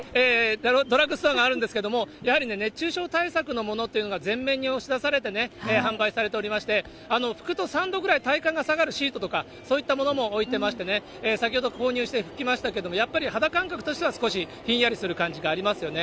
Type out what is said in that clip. ドラッグストアがあるんですけど、やはりね、熱中症対策のものっていうのが全面に押し出されてね、販売されておりまして、拭くと３度くらい体感が下がるシートとか、そういったものも置いてまして、先ほど購入して拭きましたけど、やっぱり肌感覚としては少しひんやりする感じがありますよね。